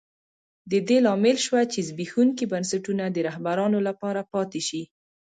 د دې لامل شوه چې زبېښونکي بنسټونه د رهبرانو لپاره پاتې شي.